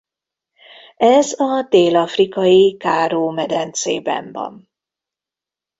Ez a dél-afrikai Karoo-medencében van.